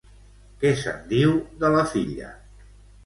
Què se'n diu de la filla?